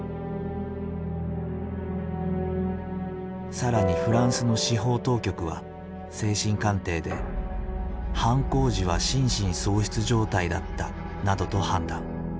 更にフランスの司法当局は精神鑑定で「犯行時は心神喪失状態だった」などと判断。